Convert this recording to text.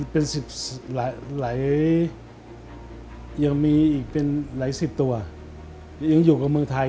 เป็นหลายสิบตัวยังอยู่กับเมืองไทย